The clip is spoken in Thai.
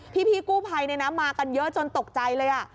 พี่กู้ภัยมากันเยอะจนตกใจเลย